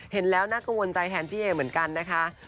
เห็นแล้วน่ากังวลใจแทนพี่เอเหมือนกันนะคะ